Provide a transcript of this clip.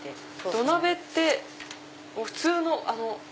土鍋って普通の。